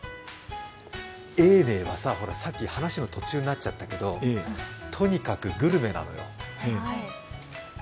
永明はさ、さっき話の途中になっちゃったけどとにかくグルメなのよ。